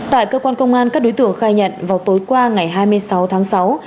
tại cơ quan công an các đối tượng khai nhận vào tối qua ngày hai mươi sáu tháng sáu